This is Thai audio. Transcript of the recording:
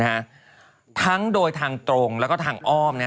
ทั้งโดยทางตรงแล้วก็ทางอ้อมนะฮะ